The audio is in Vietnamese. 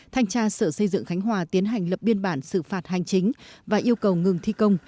thanh tra sở xây dựng khánh hòa tiến hành lập biên bản xử phạt hành chính và yêu cầu ngừng thi công